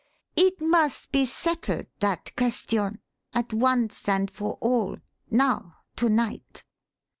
It must be settled, that question, at once and for all now to night."